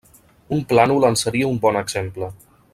Un plànol en seria un bon exemple.